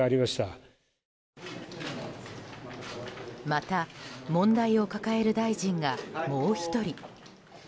また問題を抱える大臣がもう１人。